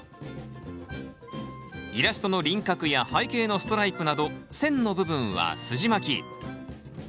イラストの輪郭や背景のストライプなど線の部分はすじまき。